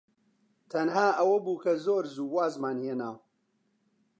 تەنها ئەوە بوو کە زۆر زوو وازمان هێنا.